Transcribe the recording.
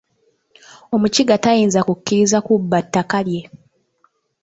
Omukiga tayinza kukkiriza kubba ttaka lye.